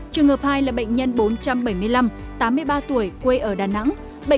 trường hợp hai là bệnh nhân bốn trăm bảy mươi năm tám mươi ba tuổi quê ở đà nẵng